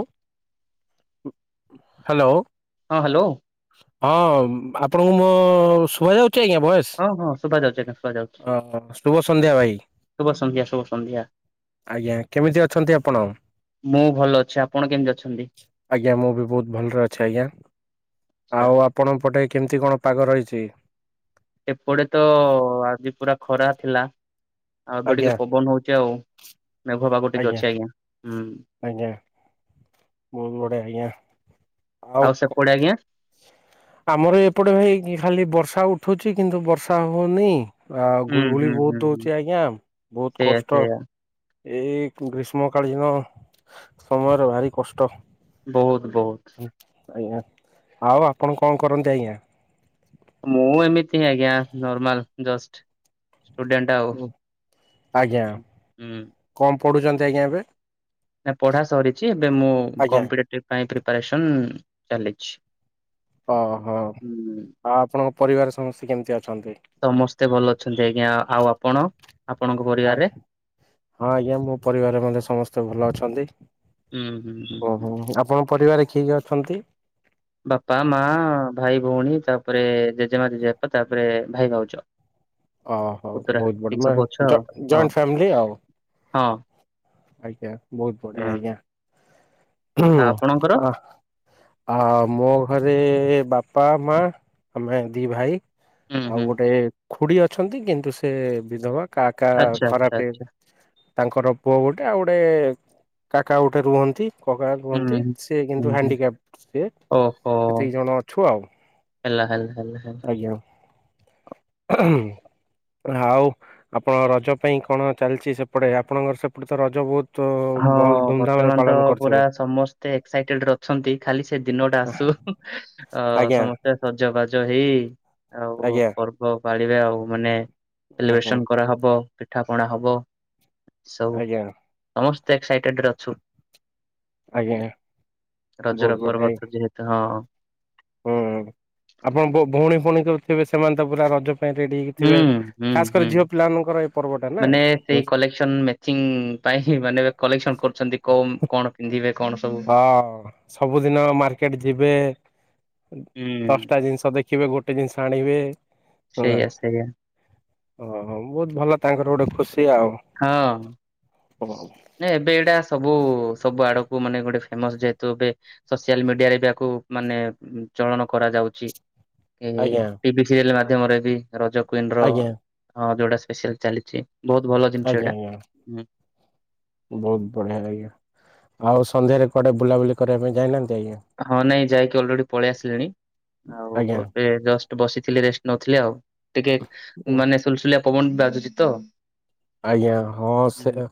Hello. ହଁ hello. ହଁ ଆପଣଙ୍କୁ ମୋ ଶୁଭା ଯାଉଛି ଆଜ୍ଞା ଭଏସ? ହଁ ହଁ ଶୁଭା ଯାଉଛି ଆଜ୍ଞା ଶୁଭା ଯାଉଛି, ଶୁଭ ସନ୍ଧ୍ୟା ଭାଇ ଶୁଭ ସନ୍ଧ୍ୟା ଶୁଭ ସନ୍ଧ୍ୟା। ଆଜ୍ଞା କେମିତି ଅଛନ୍ତି ଆପଣ? ମୁଁ ଭଲ ଅଛି ଆପଣ କେମିତି ଅଛନ୍ତି? ଆଜ୍ଞା ମୁଁ ବି ବହୁତ ଭଲରେ ଅଛି ଆଜ୍ଞା। ଆଛା ଆଉ ଆପଣଙ୍କ ପଟେ କେମିତି କଣ ପାଗ ରହିଛି? ଏପଟେ ତ ଆଜି ପୁରା ଖରା ଥିଲା ଆଉ ଏବେ ଟିକେ ଆଜ୍ଞା ପବନ ହଉଛି ଆଉ। ମେଘ ପାଗ ଟିକେ ଅଛି ଆଜ୍ଞା ହୁଁ। ଆଜ୍ଞା ବହୁତ ବଢିଆ ଆଜ୍ଞା ଆଉ କ ସେପଟେ ଆଜ୍ଞା ଆମର ଏପଟେ ଭାଇ ଖାଲି ବର୍ଷା ଉଠୁଛି କିନ୍ତୁ ବର୍ଷା ହଉନି। ଆଉ ହୁଁ ଗୁଳୁଗୁଳି ହୁଁ ବହୁତ ହୁଁ ହୁଁ। ଦଉଛି ଆଜ୍ଞା ବହୁତ ସେଇଆ କଷ୍ଟ। ସେଇଆ ଏଇ ଗ୍ରୀଷ୍ମକାଳୀନ ସମୟର ଭାରି କଷ୍ଟ। ବହୁତ ବହୁତ। ଆଜ୍ଞା ଆଉ ଆପଣ କଣ କରନ୍ତି ଆଜ୍ଞା? ମୁଁ ଏମିତି ଆଜ୍ଞା ନର୍ମାଲ ଜଷ୍ଟ ଷ୍ଟୁଡେଣ୍ଟ ଅପ୍ ହୁଁ ଆଜ୍ଞା ହୁଁ କଣ ପଢୁଛନ୍ତି ଆଜ୍ଞା ଏବେ? ନା ପଢ଼ା ସରିଛି ଏବେ ମୁଁ ଆଜ୍ଞା କମ୍ପିଟେଟିଭ ପାଇଁ ପ୍ରିପାରେସନ୍ ଚାଲିଛି। ଓହୋ ଆଉ ହୁଁ ଆପଣଙ୍କ ପରିବାର ସମସ୍ତେ କେମିତି ଅଛନ୍ତି? ସମସ୍ତେ ଭଲ ଅଛନ୍ତି ଆଜ୍ଞା ଆଉ ଆପଣ? ଆପଣଙ୍କ ପର ଆଜ୍ଞା ହଁ, ଆଜ୍ଞା ମୋ ପରିବାର ମଧ୍ଯ ସମସ୍ତେ ଭଲ ଅଛନ୍ତି। ହୁଁ ହୁଁ ହୁଁ ଓ ହୁଁ ହୋ ହୁଁ। ଆପଣ ପରିବାରରେ କିଏ କିଏ ଅଛନ୍ତି? ବାପା ମା ଭାଇ ଭଉଣୀ ତାପରେ ଜେଜେମା ଜେଜେବାପା ତାପରେ ଭାଇ ଭାଉଜ। ଓହୋ ପୁତୁରା ବହୁତ ଏତିକି ବଡ ମ ସବୁ ଅଛ ଆଉ ଜ ହଁ ଜଏଣ୍ଟ ଫାମିଲି ଆଉ? ହଁ। ଆଜ୍ଞା ବହୁତ ବଢିଆ ହୁଁ ଆଜ୍ଞା ଆଉ ଆପଣଙ୍କର? ହୁଁ ଆ ଆ ମୋ ଘରେ ବାପା ମା ଆମେ ଦି ଭାଇ। ହୁଁ ଆଉ ହୁଁ ଗୋଟେ ଖୁଡି ଅଛନ୍ତି କିନ୍ତୁ ସେ ବିଧବା କାହା କାହା ଆଚ୍ଛା ଆଚ୍ଛା ଖରାପେ ଆଚ୍ଛା ତାଙ୍କର ପୁଅ ଗୋଟେ ଆଉ ଗୋଟେ କାକା ଗୋଟେ ରୁହନ୍ତି। କକା ହୁଁ କୁହନ୍ତି ହୁଁ ସେ ହୁଁ କିନ୍ତୁ ହୁଁ। ହାଣ୍ଡିକାପ ସିଏ ଓହୋ। ଏତିକି ଜଣ ଅଛୁ ଆଉ। ହେଲା ହେଲା ହେଲା ହେଲା। ଆର ହଁ। ଆଉ ଆପଣଙ୍କ ରଜ ପାଇଁ କଣ ଚାଲିଛି ସେପଟେ ଆପଣଙ୍କର ସେପଟେ ତ ରଜ ବହୁତ ହଁ ଭଲ ଧୁମଧାମ ରେ ବର୍ତ୍ତମାନ ତ ପାଳନ ପୁରା କରୁଥିବେ ସମସ୍ତେ ଏକ୍ସାଇଟେଡ ଅଛନ୍ତି ଖାଲି ସେ ଦିନ ଟା ଆସୁ। ଅ ଆଜ୍ଞା ସମସ୍ତେ ସଜବାଜ ହେଇ ଆଉ ଆଜ୍ଞା ପର୍ବ ପାଳିବେ ଆଉ ମାନେ ଓ ହୋ ସେଲିବ୍ରେସନ କରା ହବ, ପିଠା ପଣା ହବ। ସବୁ ଆଜ୍ଞା। ସମସ୍ତେ ଏକ୍ସାଇଟେଡ ରେ ଅଛୁ। ଆଜ୍ଞା ବହୁତ ରଜର ବଢିଆ ପର୍ବ ତ ଯେହେତୁ ହଁ। ହୁଁ, ଆପଣ ଭଉଣୀ-ଫଉଣୀ ସବୁଥିବେ ସେମାନେ ତ ପୁରା ରଜ ରେଡି ହେଇକି ହୁଁ ଥିବେ। ହୁଁ ଖାସ୍ କରି ହୁଁ। ଝିଅ ପିଲାମାନଙ୍କର ଏଇ ପର୍ବ ଟା ନା। ସେମାନେ ମେଚିଙ୍ଗି ପାଇଁ ମାନେ କଲେକ୍ସନ କରୁଛନ୍ତି କୋଉ କଣ ପିନ୍ଧିବେ କଣ ସବୁ ହଁ, ସବୁଦିନ ମାର୍କେଟ ଯିବେ ହୁଁ ଦଶଟା ଜିନିଷ ଦେଖି ବେ ଗୋଟେ ଜିନିଷ ଆଣିବେ। ହଁ ପା। ସେଇଆ ସେଇଆ ଓଃ ହଉ ବହୁତ ଭଲ। ତାଙ୍କର ଗୋଟେ ଖୁସି ଆଉ। ହଁ। ନା ଏବେ ଏଇଟା ସବୁ ସବୁ ଆଡକୁ ମାନେ ଗୋଟେ ଫେମସ ଯେହେତୁ ଏବେ ସୋସିଆଲ ମିଡିଆରେ ଆକୁ ମାନେ ଚଳନ କରା ଯାଉଛି। କି ଆଜ୍ଞା ଟିଭି ସିରିଏଲ ମାଧ୍ୟମରେ ବି ରଜ କୁଇନ ର ଆଜ୍ଞା ହଁ ଯୋଉଟା ସ୍ପେଶାଲ ଚାଲିଛି ବହୁତ ଭଲ ଜିନିଷ ଆଜ୍ଞା ଏଇଟା। ଆଜ୍ଞା। ହୁଁ। ବହୁତ ବଢ଼ିଆ ଲାଗିଲା। ଆଉ ସନ୍ଧ୍ୟାରେ କୁଆଡେ ବୁଲାବୁଲି କରିବା ପାଇଁ ଯାଇନାହାନ୍ତି ଆଜ୍ଞା? ହଁ ନାଇଁ ଯାଇକି ଅଲରେଡି ପଳେଇ ଆସିଲିଣି। ଆଉ ଆଜ୍ଞା ଏବେ ଜଷ୍ଟ ବସିଥିଲି ରେଷ୍ଟ ନଉଥିଲି ଆଉ। ଟିକେ ହୁଁ ମାନେ ସୁଲସୁଲିଆ ପବନ ବାଜୁଚି ତ। ଆଜ୍ଞା ହଁ ସେ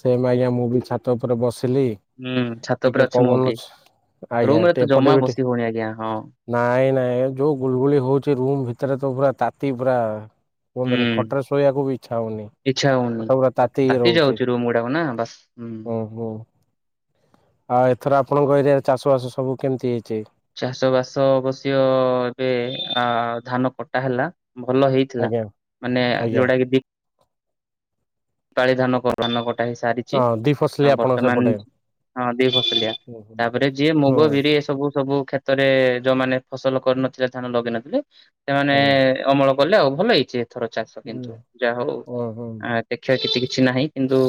ସେମ୍ ଆଜ୍ଞା ମୁଁ ବି ଛାତ ଉପରେ ବସିଲି। ହୁଁ ଛାତ ଟିକେ ଉପରେ ଅଛି ମୁଁ ପବନ ବି, ଆଜ୍ଞା ରୁମ ରେ ତ ଏପଟେ ଜମା ବି ଟିକେ ବସି ହଉନି ଆଜ୍ଞା ହଁ। ନାଇଁ ନାଇଁ ଯୋଉ ଗୁଳଗୁଳି ହଉଛି ରୁମ ଭିତରେ ତ ପୁରା ତାତି ପୁରା କୁହନ୍ତନି ହୁଁ ଖଟରେ ଶୋଇବାକୁ ବି ଇଚ୍ଛା ହଉନି। ଇଚ୍ଛା ହଉନି ଖଟ ପୁରା ତାତି ରହୁଛି। ଯାଉଛି ରୁମ୍ ଗୁଡାକ ନା ବାସ୍ ହଁ। ହୁଁ ହୁଁ। ଆଉ ଏଥର ଆପଣଙ୍କ ଏରିଆରେ ଚାଷ ବାସ ସବୁ କେମିତି ହେଇଛି? ଚାଷ ବାସ ଅବଶ୍ୟ ଏବେ ଆ ଧାନ କଟା ହେଲା ଭଲ ହେଇ ଥିଲା। ଆଜ୍ଞା ମାନେ ଆଜ୍ଞା। ଯୋଉଟା କି [unintelligible] ଧାନ ଧାନ କଟା ହେଇ ସାରିଛି। ହଁ ଦି ଫସଲି ଆଉ ଆପଣ ସେପଟେ ବର୍ତ୍ତମାନ ହଁ ଦି ଫସଲିଆ। ତାପରେ ଯିଏ ହୁଁ ମୁଗ ବିରି ଏ ସବୁ ସବୁ କ୍ଷେତ ରେ ଯୋଉମାନେ ଫସଲ କରିନଥିଲେ ଧାନ ଲଗେଇ ନଥିଲେ ସେମାନେ ଆଜ୍ଞା। ଅମଳ କଲେ ଆଉ ଭଲ ହେଇଛି ଏଥର ଚାଷ ହୁଁ କିନ୍ତୁ ଯାହା ହଉ ଓହୋ ଆ। କ୍ଷ କ୍ଷତି କିଛି ନାହିଁ କିନ୍ତୁ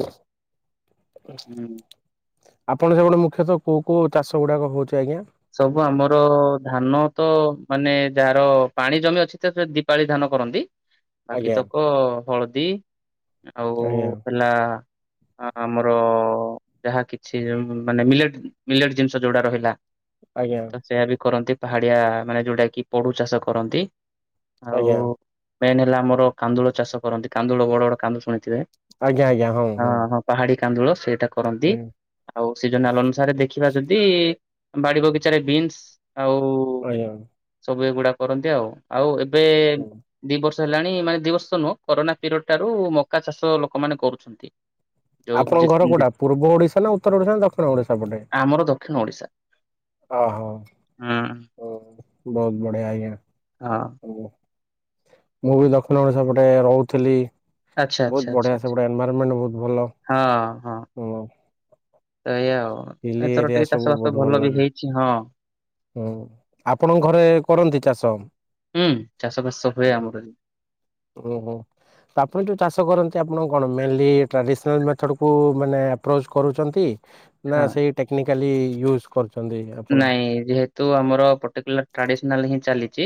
ଆପଣଙ୍କ ସେପଟେ ମୁଖ୍ୟତଃ କୋଉ କୋଉ ଚାଷ ଗୁଡ଼ାକ ହଉଛି ଆଜ୍ଞା? ସବୁ ଆମର ଧାନ ତ ମାନେ ଯାହାର ପାଣି ଜମି ଅଛି ତ ଦିପାଳି ଧାନ କରନ୍ତି। [inaudible] ବାକି ତକ ହଳଦୀ ଆଉ ଆଜ୍ଞା ହେଲା ଆମର ଯାହା କିଛି ମାନେ ମିଲେଟ୍ ମିଲେଟ ଜିନିଷ ଯୋଉଡା ରହିଲା। ଆଜ୍ଞା। ସେଇଆ ବି କରନ୍ତି ପାହାଡିଆ ମାନେ ଯୋଉଟା କି ପୋଡୁ ଚାଷ କରନ୍ତି। ଆଉ ଆଜ୍ଞା ମେନ୍ ହେଲା ଆମର କାନ୍ଦୁଳ ଚାଷ କରନ୍ତି କାନ୍ଦୁଳ ବଡ ବଡ କାନ୍ଦୁଲ ଶୁଣିଥିବେ। ଆଜ୍ଞା ଆଜ୍ଞା ହଁ ହଁ। ପାହାଡି କାନ୍ଦୁଳ ସେଇଟା କରନ୍ତି। ଆଉ ସିଜନାଲ ଅନୁସାରେ ଦେଖିବା ଯଦି ବାଡ଼ି ବଗିଚାରେ ବିନ୍ସ ଆଉ ଆଜ୍ଞା ସବୁ ଏଗୁଡା କରନ୍ତି ଆଉ। ଆଉ ଏବେ ହୁଁ ଦି ବର୍ଷ ହେଲାଣି ମାନେ ଦି ବର୍ଷ ତ ନୁହଁ। କରୋନା ପିରିୟଡ଼ ଠାରୁ ମକା ଚାଷ ଲୋକମାନେ କରୁଛନ୍ତି। ଯୋଉ ଯେ ଆପଣଙ୍କ ଘର ଯେ- କୋଉଟା, ପୂର୍ବ ଓଡି଼ଶା ନା ଉତ୍ତର ଓଡି଼ଶା ନା ଦକ୍ଷିଣ ଓଡି଼ଶା ପଟେ? ଆମର ଦକ୍ଷିଣ ଓଡ଼ିଶା। ଅ ହଁ। ହୁଁ। ଓ ବହୁତ ବଢ଼ିଆ ଆଜ୍ଞା। ହଁ। ମୁଁ ବି ଦକ୍ଷିଣ ଓଡି଼ଶା ପଟେ ରହୁଥିଲି। ଆଚ୍ଛା ଆଚ୍ଛା ବହୁତ ଆଚ୍ଛା ବଢି଼ଆ ଆଚ୍ଛା। ସେପେଟ ଏନଭାଇରମେଣ୍ଟ ବହୁତ ଭଲ ହଁ। ଏଇଆ ଆଉ ହିଲି ଏଥର ଏରିଆ ଟିକେ ସବୁ ଚାଷ ବାସ ବହୁତ ଭଲ ବି ଲାଗେ। ହେଇଛି ହଁ। ହୁଁ ଆପଣଙ୍କ ଘରେ କରନ୍ତି ଚାଷ? ହୁଁ ଚାଷବାସ ସବୁ ହୁଏ ଆମର ବି। ଓହୋ। ତ ଆପଣ ଯେଉଁ ଚାଷ କରନ୍ତି ଆପଣ କଣ ମେନ୍ଲି ଟ୍ରାଡ଼ିସନାଲ୍ ମେଥଡ଼କୁ ମାନେ ଆପ୍ରୋଚ୍ କରୁଛନ୍ତି? ନା ହଁ। ସେଇ ଟେକ୍ନିକାଲି ୟୁଜ କରୁଛନ୍ତି? ଆପଣ? ନାଇଁ ଯେହେତୁ ଆମର ପର୍ଟିକୁଲାର ଟ୍ରାଡିସନାଲ ହିଁ ଚାଲିଛି।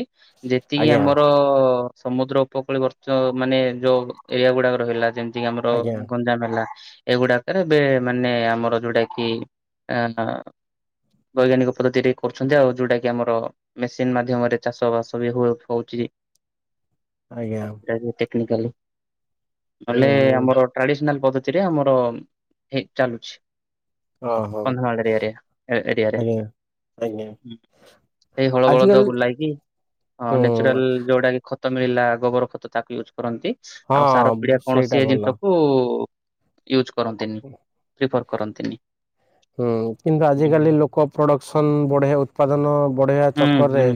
ଯେତିକି ଆଜ୍ଞା ଆମର ସମୁଦ୍ର ଉପକୂଳ ବର୍ତ୍ତ ମାନେ ଯୋଉ ଏରିଆ ଗୁଡ଼ାକ ରହିଲା ଯେମିତି ଯେମିତିକି ଆମର ଆଜ୍ଞା ଗଞ୍ଜାମ ହେଲା। ଏଗୁଡ଼ାକରେ ଏବେ ମାନେ ଆମର ଯୋଉଟା କିି ଅହଁ ବୈଜ୍ଞାନିକ ପଦ୍ଧତିରେ କରୁଛନ୍ତି ଆଉ ଯଉଟା କିି ଆମର। ମେସିନ ମାଧ୍ୟମରେ ଚାଷ ବାସ ବି ହୁଏ ହଉଛି। [inaudible] ଟେକ୍ନିକାଲି ନହେଲେ ହୁଁ ହୁଁ ଆମର। ଟ୍ରାଡିସନାଲ ପଦ୍ଧତିରେ ଆମର ହେଇ ଚାଲୁଛି। ଓହୋ କନ୍ଦମାଳ ଏରିଆରେ ଏରିଆରେ। ଆଜ୍ଞା ଆଜ୍ଞା। ସେଇ ହଳ ବଳଦ ଆଜିକାଲି ବୁଲାଇକି। ହଁ ହୁଁ ନେଚୂରାଲ୍ ଯୋଉଟା କି ଖତ ମିଳିଲା ଗୋବର ଖତ ତାକୁ ୟୁଜ୍ କରନ୍ତି। ଆଉ ସାର ହଁ ପିଡି଼ଆ କଣ ସେଇଟା ସିଏ ଭଲ। ଜିନିଷ କୁ ୟୁଜ। ହୁଁ କିନ୍ତୁ ହୁଁ ଆଜିିକାଲି ଲୋକ ପ୍ରୋଡ଼କ୍ସନ୍ ବଢ଼େଇ ଉତ୍ପାଦନ ବଢ଼େଇବା ହୁଁ ଚକରରେ ହୁଁ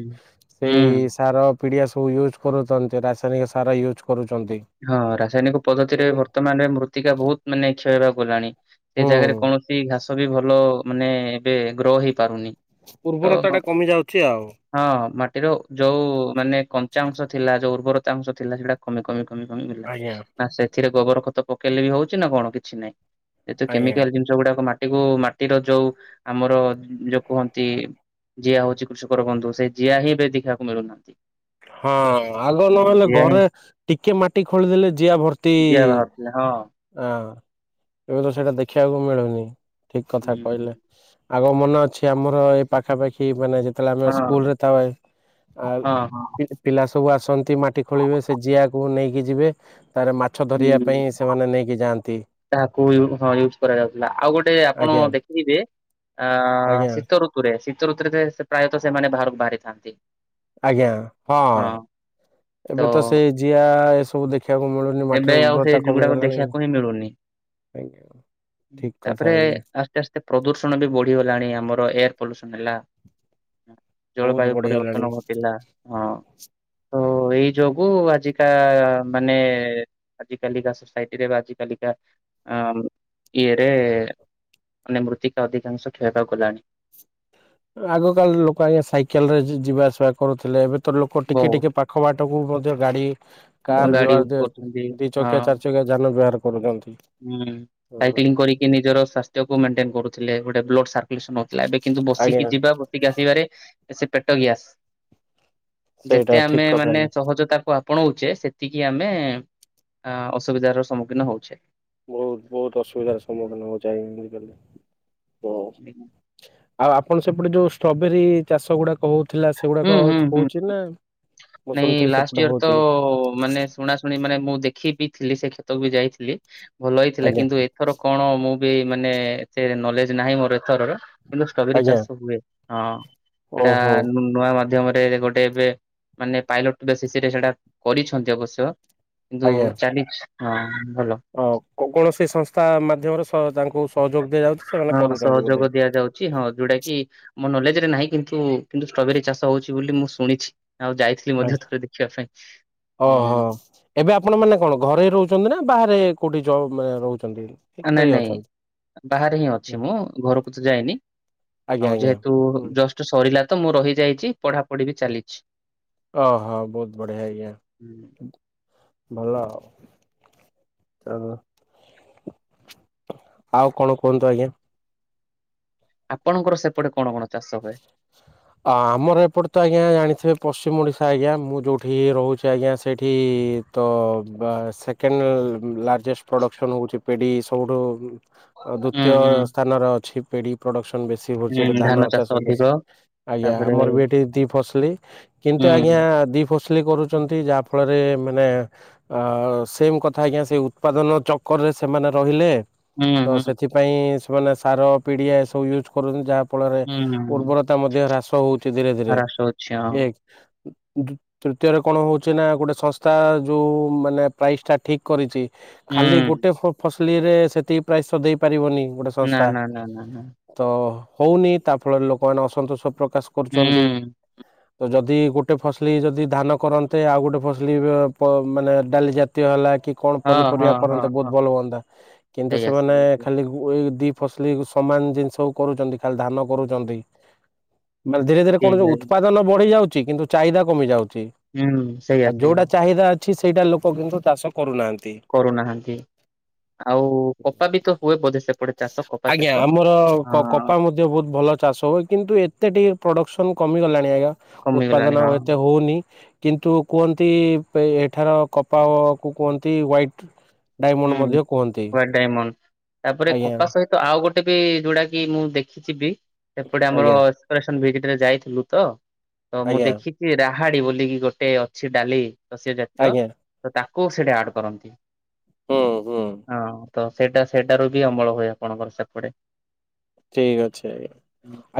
ହୁଁ ସେଇ ସାର ପିଡ଼ିଆ ସବୁ ୟୁଜ୍ କରୁଛନ୍ତି ରାସାୟନିକ ସାର ୟୁଜ୍ କରୁଛନ୍ତି। ହଁ ରାସାୟନିକ ପଦ୍ଧତିରେ ବର୍ତ୍ତମାନରେ ମୃତ୍ତିକା ବହୁତ ମାନେ କ୍ଷୟ ହେବାକୁ ଗଲାଣି। ସେ ହୁଁ ଜାଗାରେ କୌଣସି ଘାସ ବି ଭଲ ମାନେ ଏବେ ଗ୍ରୋ ହେଇ ପାରୁନି। ଉର୍ବରତା ଟା କମି ଯାଉଛି ଆଉ। ହଁ ମାଟିର ଯୋଉ ମାନେ କଞ୍ଚା ଅଂଶ ଥିଲା ଯୋଉ ଉର୍ବରତା ଅଂଶ ଥିଲା ସେଇଟା କମି କମି କମି ଆଜ୍ଞା ସେଥିରେ ଗୋବର ଖତ ପକେଇଲେ ବି ହଉଛି ନା କଣ କିଛି ନାହିଁ ଯେହେତୁ ଆଜ୍ଞା କେମିକାଲି ଜିନ ଯୋଉଗୁଡ଼ାକ ମାଟି କୁ ମାଟିର ଯୋଉ ଆମର ଯୋଉ କୁହନ୍ତି ଜିଆ ହଉଛି କୃଷକର ବନ୍ଧୁ, ସେ ଜିଆ ହିଁ ଏବେ ଦେଖିବାକୁ ମିଳୁନାହାନ୍ତି। ହଁ ଆଗ ନହେଲେ ଜିଆ ହିଁ ଘରେ ଟିକେ ମାଟି ଖୋଳିଦେଲେ ଯିଆ ଭର ଜିଆ ବାହାରୁଥିଲା ହଁ। ହଁ ଏବେ ତ ସେଇଟା ଦେଖିବାକୁ ମିଳୁନି ଠିକ୍ କଥା କହିଲେ। ଆଗ ମନେ ଅଛି ଆମର ଏ ପାଖାପାଖି ମାନେ ଯେ ତାଲେମେ ହଁ ସ୍କୁଲରେ ତାଉ ଆ ହଁ ହଁ। ପିଲା ସବୁ ଆସନ୍ତି ମାଟି ଖୋଳିବେ ସେ ଜିଆକୁ ନେଇକି ଯିବେ, ତାରେ ମାଛ ଧରିବା ପାଇଁ ସେ ସେମାନେ ନେଇକି ଯଆନ୍ତି। ତାହାକୁ ୟୁଜ କରାଯାଉଥିଲା ଆଉ ଗୋଟେ ଆପଣ ଆଜ୍ଞା ଦେଖିଥିବେ ଅ ଆଜ୍ଞା ଶୀତ ଋତୁରେ ଶୀତ ଋତୁରେ ପ୍ରାୟତଃ ସେମାନେ ବାହାରକୁ ବାହାରିଥାନ୍ତି। ଆଜ୍ଞା ହଁ ଏବେ ତ ସେ ଜିଆ ଏସବୁ ଦେଖିବାକୁ ମିଳୁ ଏବେ ଆଉ ସେ ଯୁଗୁଡାକ ଦେଖିବାକୁ ହିଁ ମିଳୁନି। ଆଜ୍ଞା ଠିକ କଥା ତାପରେ ଆଜ୍ଞା ଆ ଏତେସ୍ତେ ପ୍ରଦୂଷଣ ବି ବଢ଼ିଗଲାଣି ଆମର ଏୟାର ପଲ୍ୟୁସନ୍ ହେଲା। ବହୁତ ଜଳବାୟୁ ପରିବର୍ତ୍ତନ ବଢିଗଲାଣି। ଘଟିଲା। ହଁ ତ ଏଇ ଯୋଗୁ ଆଜିକା ମାନେ ଆଜି କାିକା ସୋସାଇଟି ରେ ବା ଆଜିିକାଲିକା ଇଏରେ ମାନେ ମୃତ୍ତିକା ଅଧିକାଂଶ କ୍ଷଳିବାକୁ ଗଲାଣି। ଆଗକାଳ ଲୋକ ଆଜ୍ଞା ସାଇକେଲରେ ଯିବା ଆସିବା କରୁଥିଲେ। ଏବେ ତ ଲୋକ ଟିକେ ଟିକେ ବହୁତ ପାଖ ପାଖ ବାଟକୁ ମଧ୍ୟ ଗାଡି କାର ଗାଡି ୟୁଜ ବ୍ୟବହାର କରୁଛନ୍ତି ଦି ହଁ ଚକିଆ ଚାରି ଚକିଆ ଯାନ ବ୍ୟହାର କରୁଛନ୍ତି। ହୁଁ ସାଇକ୍ଲିଂ କରିକି ନିଜର ସ୍ୱାସ୍ଥ୍ୟକୁ ମେଣ୍ଟେନ କରୁଥିଲେ। ଗୋଟେ ବ୍ଲଡ ସ ଥିଲା ଏବେ କିନ୍ତୁ ଆଜ୍ଞା ବସିକି ଯିବା ବସିକି ଆସିବାରେ ସେ ପେଟ ଗ୍ୟାସ। ସେଇଟା ଯେତେ ଠିକ ଆମେ କଥା ମାନେ ଆଜ୍ଞା ସହଜତାକୁ ଆ ପଣଉଛେ ସେତିକି ଆମେ ଅସୁବିଧାର ସମ୍ମୁଖୀନ ହଉଛେ। ବହୁତ ବହୁତ ଅସୁବିଧାର ସମ୍ମୁଖୀନ ହଉ ଯାଇବି ବୁ କଲି ହଉ। ଆଉ ଆପଣ ସେପଟେ ଯୋଉ ଷ୍ଟ୍ରବେରୀ ଚାଷ ଗୁଡାକ ହଉଥିଲା ହୁଁ ସେଗୁଡାକ ହୁଁ ହୁଁ। ହଉଛି ନା। ମୁଁ ନାଇଁ ଶୁଣିଥିଲି ଲାଷ୍ଟ ସେପଟେ ଇୟର ତ ହଉଛି ମାନେ ଶୁଣା ଶୁଣି ମାନେ ମୁଁ ଦେଖି ବିି ଥିଲି ସେ କ୍ଷେତକୁ ବି ଯାଇଥିଲି ଭଲ ହେଇ ଥିଲା ଆଜ୍ଞା କିନ୍ତୁ ଏଥର କଣ ମୁଁ ବି ମାନେ ଏ ନଲେଜ ନାହିଁ ମୋର ଏଥରର କିନ୍ତୁ ଷ୍ଟ୍ରବେରୀ ଆଜ୍ଞା ଚାଷ ହୁଏ। ହଁ ସେଇଟା ଓହୋ ନୂଆ ମାଧ୍ୟମରେ ଗୋଟେ ଏବେ ମାନେ ପାଇଲଟ ବେଶି ସିରେ ସେଟା କରିଛନ୍ତି ଅବଶ୍ୟ କିନ୍ତୁ ଆଜ୍ଞା। ଚାଲି ହଁ ଭଲ। ଅ କୌଣସି ସଂସ୍ଥା ମାଧ୍ୟମରେ ତାଙ୍କୁ ସହଯୋଗ ଦିଆଯାଉଛି। ସେମାନେ ହଁ କରୁଛନ୍ତି ବୋଧେ। ସହଯୋଗ ଦିଆଯାଉଛି। ହଁ ଯୋଉଟା କି ମୋ ନଲେଜ ରେ ନାହିଁ କିନ୍ତୁ କିନ୍ତୁ ଷ୍ଟ୍ରବେରୀ ଚାଷ ହଉଛି ବୋଲି ମୁଁ ଶୁଣିଛି। ଆଉ ଯାଇଥିଲି ମଧ୍ୟ ଥରେ ଦେଖିବା ପାଇଁ ଓହୋ ହୁଁ। ଏବେ ଆପଣ ମାନେ କଣ ଘରେ ରହୁଛନ୍ତି ନା ବାହାରେ କୋଉଠି ମାନେ ରହୁଛନ୍ତି। ଘରେ ନାଇଁ ହିଁ ନାଇଁ ଅଛନ୍ତି ବାହାରେ ହିଁ ଅଛି ନା? ମୁଁ ଘରକୁ ତ ଯାଇନି। ଆଜ୍ଞା ଆଉ ଆଜ୍ଞା ଯେହେତୁ ହୁଁ ଜଷ୍ଟ ସରିଲା ତ ମୁଁ ରହିଯାଇଛି, ପଢାପଢି ବି ଚାଲିଛି। ଆ ହୋ ବହୁତ ବଢିଆ ହଇ ହୁଁ। ଆ ଭଲ ଆ ଚା ଆଉ କଣ କୁହନ୍ତୁ ଆଜ୍ଞା। ଆପଣଙ୍କର ସେପଟେ କଣ କଣ ଚାଷ ହୁଏ? [inaudible] ଆମର ଏପଟେ ତ ଆଜ୍ଞା ଜାଣିଥିବେ ପଶ୍ଚିମ ଓଡ଼ିଶା, ଆଜ୍ଞା ମୁଁ ଯେଉଁଠି ରହୁଛି ଆଜ୍ଞା ସେଇଠି ତ ସେକେଣ୍ଡ ଲାର୍ଜେଷ୍ଟ ପ୍ରଡ଼କ୍ସନ୍ ହେଉଛି ପେଡ଼ି ସବୁଠୁ ଆ ହୁଁ ଦ୍ଵିତୀୟ ହୁଁ ସ୍ଥାନରେ ଅଛି ପେଡି ପ୍ରଡକ୍ସନ ବେଶୀ ହଉଛି। ସେଠି ହୁଁ ଧାନ ଚାଷ ଚାଷ ଅଧିକ ଆଜ୍ଞା ତାପରେ ଆମର ହୁଁ ବି ଏଠି ଦି ଫସିଲି କିନ୍ତୁ ହୁଁ ଆଜ୍ଞା ଦି ଫସଲି କରୁଛନ୍ତି ଯାହା ଫଳରେ ମାନେ ଆ ସେମ କଥା ଆଜ୍ଞା ସେ ଉତ୍ପାଦନ ଚକରରେ ସେମାନେ ରହିଲେ। ତ ହୁଁ ସେଥିପାଇଁ ସେମାନେ ସାର ପିଡିଆ ଏସବୁ ୟୁଜ କରନ୍ତି ଯାହାଫଳରେ ହୁଁ ଉର୍ବରତା ମଧ୍ୟ ହ୍ରାସ ହୋଉଚି ଧୀରେ ଧୀରେ ମହାରାଷ୍ଟ୍ର ଅଛି ହଁ ଇଏ ଦୁ ତୃତୀୟରେ କଣ ହୋଉଚି ନା ଗୋଟେ ସଂସ୍ଥା ଯୋଉ ମାନେ ପ୍ରାଇସଟା ଠିକ କରିଚି ଖାଲି ହୁଁ। ଗୋଟେ ଫ-ଫସଲ ଇରେ ସେତିକି ପ୍ରାୟଶ ଦେଇ ପାରିବନି ଗୋଟେ ନା ସଂସ୍ଥା ନା ନା ନା ନା।। ତ ହୋଉନି ତାଫଳରେ ଲୋକମାନେ ଅସନ୍ତୋଷ ପ୍ରକାଶ କରୁଚନ୍ତି। ହୁଁ ତ ଯଦି ଗୋଟେ ଫସଲି ଯଦି ଧାନ କରନ୍ତେ ଆଉ ଗୋଟେ ଫସଲି ବି ପ ମାନେ ଡାଲି ଜା ତିୟ ବାଲା କି କଣ ହଁ ହଁ ପନିପରିବା ହଁ କରନ୍ତେ ବୋହୁତ ହଁ ଭଲ ହୁଅନ୍ତା କିନ୍ତୁ ସେଇଆ ସେମାନେ ସେଇଆ। ସେଇଆ। ଖାଲି ଏଇ ଦି ଫସଲି ସମାନ ଜିନିଷକୁ କରୁଚନ୍ତି ଖାଲି ଧାନ କରୁଚନ୍ତି। ମାନ ଧୀରେ ଧୀରେ କଣ ଠିକ ଯୋଉ ଅଛି ଉତ୍ପାଦନ ବଢିଯାଉଚି କିନ୍ତୁ ଚାହିଦା କମି ଯାଉଚି। ହୁଁ ସେଇଆ ଆଉ ସେଇଆ ଯୋଉଟା ଚାହିଦା ଅଛି ସେଇଟା ଲୋକ କିନ୍ତୁ ଚାଷ କରୁନାହାନ୍ତି। କରୁନାହାନ୍ତି ଆଉ କପା ବି ତ ହୁଏ ବୋଧେ ସେପଟେ। ଚାଷ କପା ଆଜ୍ଞା ଚାଷ ଆମର ହଁ କପା ମୂ ଯେ ବୋହୁତ ଭଲ ଚାଷ ହୁଏ କିନ୍ତୁ ଏତେ ଟିକେ ପ୍ରଡ଼କ୍ସନ୍ କମିଗଲାଣି ଆଜ୍ଞା। କମିଗଲାଣି ଉତ୍ପାଦନ ଆଉ ହଁ। ଏତେ ହୋଉନି। କିନ୍ତୁ କୁହନ୍ତି ପେ ଏଠାର କପା ଓ କୁ କୁହନ୍ତି ହ୍ଵାଇଟ୍ ହୁଁ ହୁଏ ଡାଇମଣ୍ଡ ତାପରେ ଆଜ୍ଞା କପା ସହି ତ ଆଉ ଗୋଟେ ବି ଯୋଉଟା କି ମୁଁ ଦେଖିଚି ବିି ଏପଟେ ଆମର ଆଜ୍ଞା ଅପରେସନ ଭିଜିଟରେ ଯାଇଥିଲୁ ତ ତ ମୁଁ ଆଜ୍ଞା ଦେଖିଚି ରାହାଡି ବୋଲିକି ଗୋଟେ ଅଛି ଡାଲି। ତ ସିଏ ଜାତୀୟ ଆଜ୍ଞା ତ ତାଙ୍କୁ ସେଠି ଆଡ କରନ୍ତି। ହୁଁ ହୁଁ। ହଁ ତ ସେଇଟା ସେଇଟାରୁ ବି ଅମଳ ହୁଏ ଆପଣଙ୍କର ସେପଟେ। ଠିକ୍ ଅଛି ଆଜ୍ଞା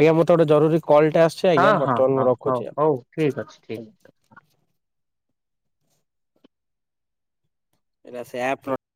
ଆଜ୍ଞା ମତେ ଗୋଟେ ଜରୁରୀ କଲଟେ ଆସୁଚି ଆଜ୍ଞା ବର୍ତ୍ତମାନ ମୁଁ ରଖୁଚି। ଠିକ୍ ଅଛି ଠିକ୍ ଏରା ସେୟା ପ୍ରୋ